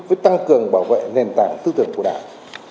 với tăng cường bảo vệ nền tảng tư tưởng của đảng